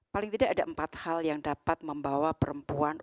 paling tidak ada empat hal yang dapat membawa perempuan